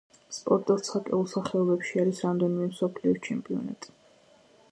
სპორტის ცალკეულ სახეობებში არის რამდენიმე მსოფლიოს ჩემპიონატი.